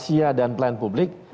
asia dan plan publik